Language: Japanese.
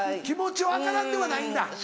気持ち分からんではないんだ。